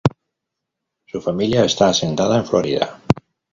Su familia está asentada en Florida.